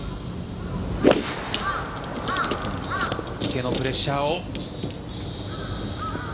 池のプレッシャーを。